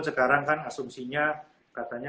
sekarang kan asumsinya